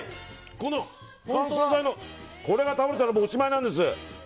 この乾燥剤が倒れたらおしまいなんです！